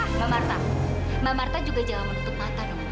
mbak marta mbak marta juga jangan menutup mata dong